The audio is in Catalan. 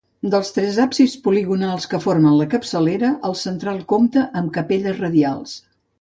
Dels tres absis poligonals que formen la capçalera, el central compta amb capelles radials.